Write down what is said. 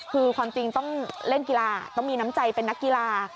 คือความจริงต้องเล่นกีฬาต้องมีน้ำใจเป็นนักกีฬา